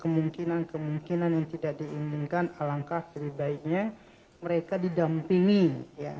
kemungkinan kemungkinan yang tidak diinginkan alangkah terbaiknya mereka didampingi yang